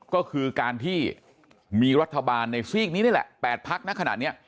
ก็คือการที่มีรัฐบาลในซีกนี้นี่แหละ๘พักนะขณะนี้